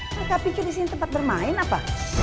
mereka pikir di sini tempat bermain apa